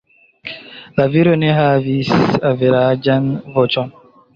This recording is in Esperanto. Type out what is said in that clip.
La viro ne havis averaĝan voĉon.